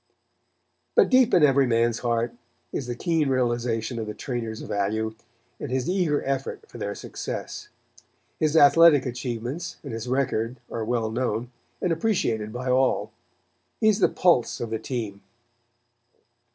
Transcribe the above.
_" But deep in every man's heart, is the keen realization of the trainer's value, and his eager effort for their success. His athletic achievements and his record are well known, and appreciated by all. He is the pulse of the team.